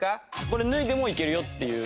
これ脱いでもいけるよっていう。